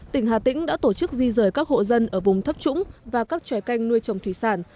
tỉnh hà tĩnh đã tổ chức di rời các hộ dân ở vùng thấp trũng và các tròi canh nuôi trồng thủy sản